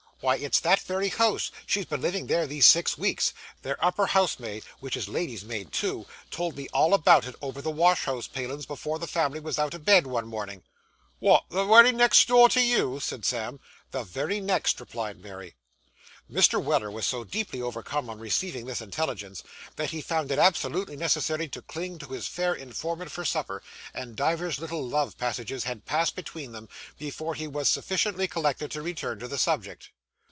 'Why, it's that very house; she's been living there these six weeks. Their upper house maid, which is lady's maid too, told me all about it over the wash house palin's before the family was out of bed, one mornin'.' 'Wot, the wery next door to you?' said Sam. 'The very next,' replied Mary. Mr. Weller was so deeply overcome on receiving this intelligence that he found it absolutely necessary to cling to his fair informant for support; and divers little love passages had passed between them, before he was sufficiently collected to return to the subject.